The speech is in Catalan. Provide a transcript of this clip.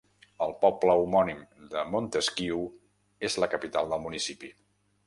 El poble homònim de Montesquiu és la capital del municipi.